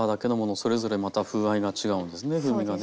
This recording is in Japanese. それぞれまた風合いが違うんですね。